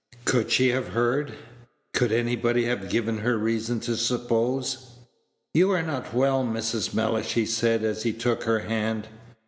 Could she have heard Could anybody have given her reason to suppose "You are not well, Mrs. Mellish," he said, as he took her hand.